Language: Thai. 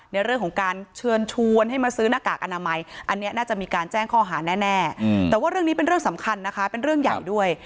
ในเรื่องของการเชิญชวนให้มาซื้อหน้ากากอนามัยอันนี้น่าจะมีการแจ้งข้อหาแน่แต่ว่าเรื่องนี้เป็นเรื่องสำคัญนะคะเป็นเรื่องใหญ่ด้วย